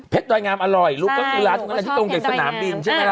เพชรดอยงามอร่อยรูปก็คือร้านที่ตรงแก่สนามบินใช่ไหมล่ะ